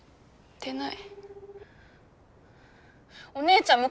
出ない。